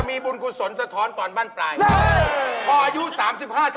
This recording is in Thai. ไม่ต้องลับนะไอ้ไอ้